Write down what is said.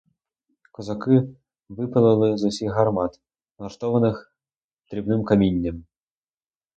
Козаки випалили з усіх гармат, налаштованих дрібним камінням.